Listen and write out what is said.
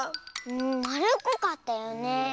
まるっこかったよねえ。